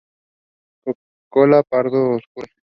Cola pardo oscura.